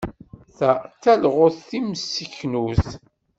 Ta d talɣut timseknut.